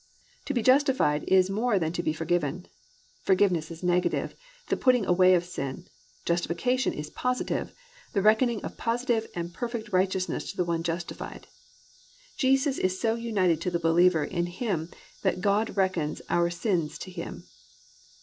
"+ To be justified is more than to be forgiven! Forgiveness is negative, the putting away of sin; Justification is positive, the reckoning of positive and perfect righteousness to the one justified. Jesus Christ is so united to the believer in Him that God reckons our sins to Him.